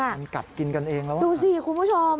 มันกัดกินกันเองแล้วดูสิคุณผู้ชม